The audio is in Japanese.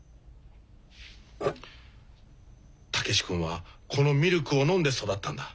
武志君はこのミルクを飲んで育ったんだ。